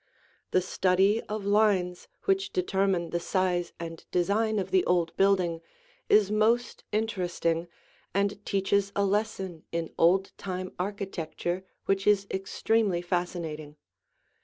The study of lines which determine the size and design of the old building is most interesting and teaches a lesson in old time architecture which is extremely fascinating.